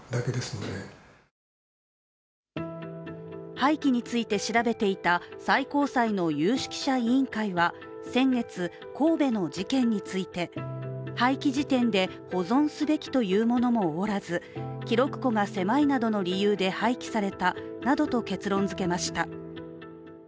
廃棄について調べていた最高裁の有識者委員会は、先月、神戸の事件について廃棄時点で保存すべきというものもおらず記録庫が狭いなどの理由で廃棄されたなどと結論づけました。